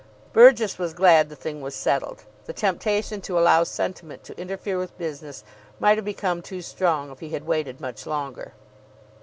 Burgess was glad the thing was settled. The temptation to allow sentiment to interfere with business might have become too strong if he had waited much longer.